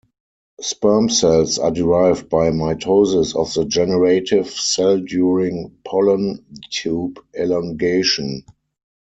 Sperm cells are derived by mitosis of the generative cell during pollen tube elongation.